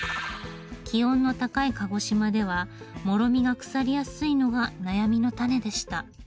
気温の高い鹿児島ではもろみが腐りやすいのが悩みの種でした。